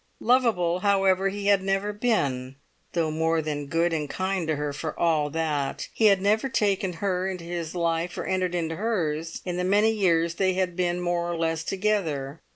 Lovable, however, he had never been, though more than good and kind to her for all that. He had never taken her into his life, or entered into hers, in the many years they had been more or less together.